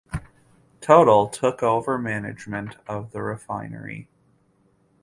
Total took over management of the refinery.